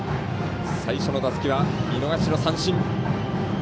最初の打席は見逃しの三振。